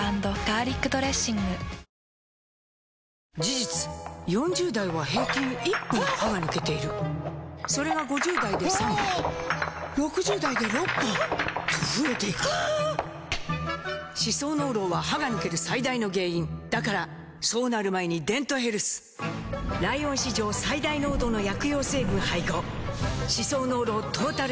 事実４０代は平均１本歯が抜けているそれが５０代で３本６０代で６本と増えていく歯槽膿漏は歯が抜ける最大の原因だからそうなる前に「デントヘルス」ライオン史上最大濃度の薬用成分配合歯槽膿漏トータルケア！